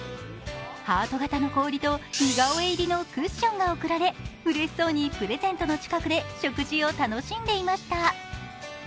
ハート形の氷と似顔絵入りのクッションが贈られうれしそうにプレゼントの近くで食事を楽しんでいました。